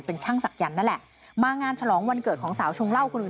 เป็นช่างศักยันต์นั่นแหละมางานฉลองวันเกิดของสาวชงเหล้าคนอื่น